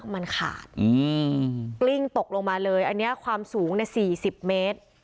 มันขาดกลิ้งตกลงมาเลยอันนี้ความสูง๔๐เมตร